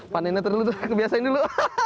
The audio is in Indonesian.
panennya terlalu tuh kebiasaan dulu